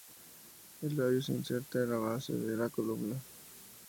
El labio se inserta en la base de la columna.